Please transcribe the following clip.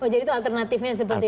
jadi itu alternatifnya seperti itu